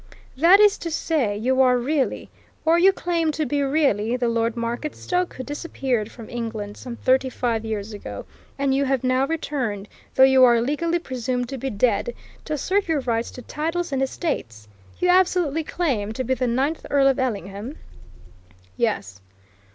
"That is to say, you are really or you claim to be really the Lord Marketstoke who disappeared from England some thirty five years ago, and you have now returned, though you are legally presumed to be dead, to assert your rights to titles and estates? You absolutely claim to be the ninth Earl of Ellingham?" "Yes!"